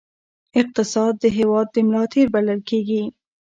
اقتصاد د هېواد د ملا تیر بلل کېږي.